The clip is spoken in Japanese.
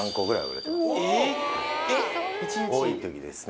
多い時ですね。